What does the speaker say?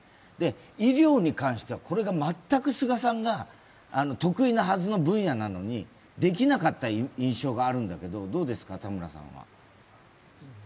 医療に関しては、これが全く菅さんが得意なはずの分野なのにできなかった印象があるんだけど、どうですか田村さんは？